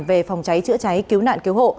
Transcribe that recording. về phòng cháy chữa cháy cứu nạn cứu hộ